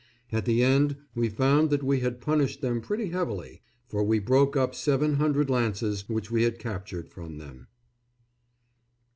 At the end we found that we had punished them pretty heavily, for we broke up seven hundred lances which we had captured from them.